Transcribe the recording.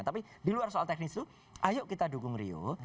tapi di luar soal teknis itu ayo kita dukung rio